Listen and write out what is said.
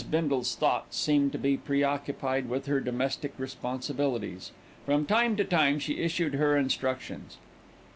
Bindle's thoughts seemed to be preoccupied with her domestic responsibilities. From time to time she issued her instructions.